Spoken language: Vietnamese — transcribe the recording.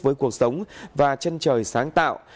với cuộc sống và chân trời sáng tạo